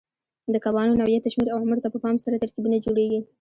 د کبانو نوعیت، شمېر او عمر ته په پام سره ترکیبونه جوړېږي.